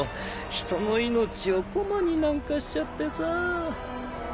人の命を駒になんかしちゃってさぁ。